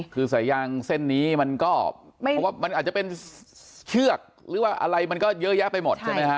คือสายยางเส้นนี้มันก็เพราะว่ามันอาจจะเป็นเชือกหรือว่าอะไรมันก็เยอะแยะไปหมดใช่ไหมฮะ